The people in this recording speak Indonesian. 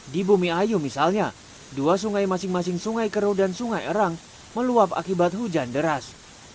di bumi ayu misalnya dua sungai masing masing sungai kero dan sungai erang meluap akibat hujan deras